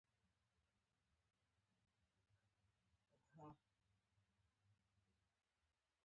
د ضحاک ښار په بامیان کې دی